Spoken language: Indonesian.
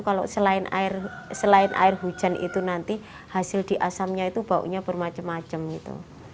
kalau selain air hujan itu nanti hasil di asamnya itu baunya bermacam macam gitu